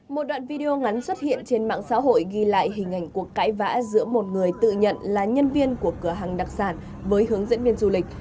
một đoạn video ngắn xuất hiện trên mạng xã hội ghi lại hình ảnh cuộc cãi vã giữa một người tự nhận là nhân viên của cửa hàng đặc sản với hướng dẫn viên du lịch